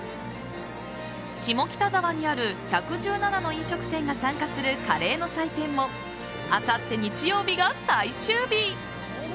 下北沢にある１１７の飲食店が参加するカレーの祭典もあさって日曜日が最終日。